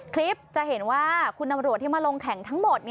คลิปจะเห็นว่าคุณตำรวจที่มาลงแข่งทั้งหมด